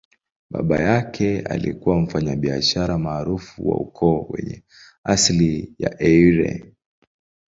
Baba yake alikuwa mfanyabiashara maarufu wa ukoo wenye asili ya Eire.